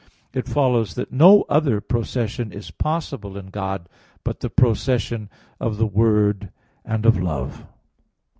It follows that no other procession is possible in God but the procession of the Word, and of Love.